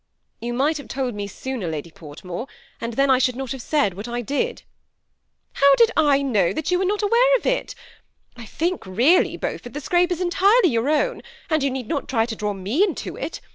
'' *^You might have told me that sooner, Lady Fort more, and then I should not have said what I did." " How did I know you were not aware of it ? I really think, Beaufort, the scrape is entirely your own, and you need not try to draw me into it.